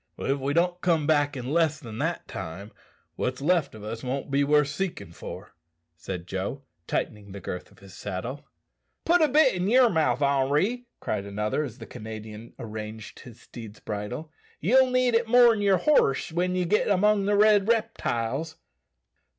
"If we don't come back in less than that time, what's left o' us won't be worth seekin' for," said Joe, tightening the girth of his saddle. "Put a bit in yer own mouth, Henri," cried another, as the Canadian arranged his steed's bridle; "yell need it more than yer horse when ye git 'mong the red reptiles."